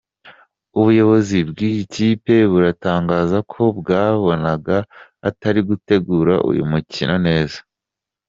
Ubuyobozi bw’iyi kipe butangaza ko bwabonaga atari gutegura uyu mukino neza.